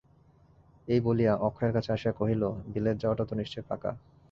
এই বলিয়া অক্ষয়ের কাছে আসিয়া কহিল, বিলেত যাওয়াটা তো নিশ্চয় পাকা?